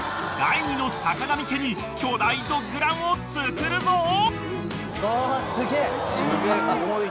［第２の坂上家に巨大ドッグランをつくるぞ］